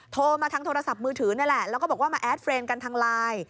โทรมาทางโทรศัพท์มือถือนี่แหละแล้วก็บอกว่ามาแอดเรนด์กันทางไลน์